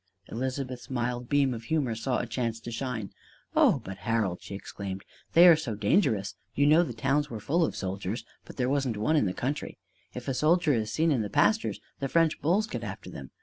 Elizabeth's mild beam of humor saw a chance to shine: "Oh, but, Harold," she exclaimed, "they are so dangerous! You know the towns were full of soldiers, and there wasn't one in the country. If a soldier is seen in the pastures, the French bulls get after them!